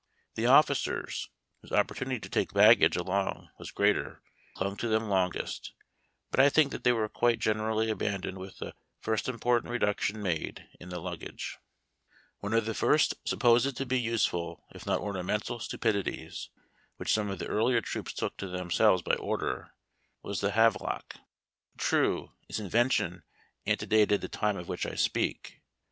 The officers, whose opportunit}^ to take baggage along was greater, clung to them longest; but I think that they were quite generally abandoned with the first important reduction made in the luggage. 276 HABD TACK AND COFFEE. A HAVELOCK. One of the first supposed to be useful, if not ornamental stupidities, which some of the earlier troops took to them selves by order, was the Havelock. True, its invention ante dated the time of which I speak.